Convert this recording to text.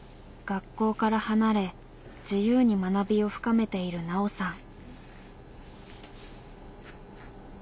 学校から離れ自由に学びを深めているナオさん。